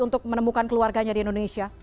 untuk menemukan keluarganya di indonesia